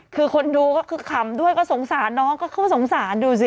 คือคนดูก็คือขำด้วยก็สงสารน้องก็สงสารดูสิ